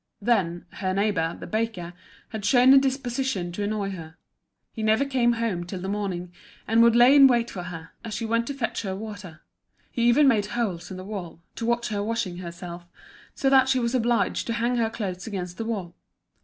Then, her neighbour, the baker, had shown a disposition to annoy her: he never came home till the morning, and would lay in wait for her, as she went to fetch her water; he even made holes in the wall, to watch her washing herself, so that she was obliged to hang her clothes against the wall.